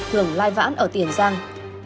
thường lai vãn ở tiền giang